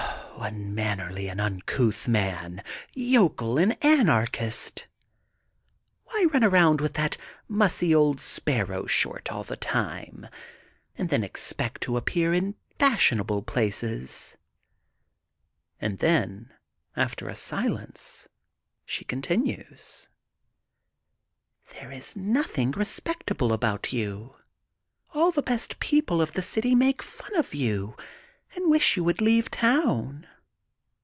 Unmannerly and uncouth man ! Yokel and anarchist ! Why 228 THE GOLDEN BOOK OF SPRINGFIELD run around with that mussy old Sparrow Short all the time and then expect to appear in fashionable places?'' And then, after a silence, she continues: —There is nothing respectable about you. All the best people of the city make fun of you and wish you would leave town.